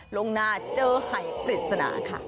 ลงนาเจอหายปริศนาค่ะ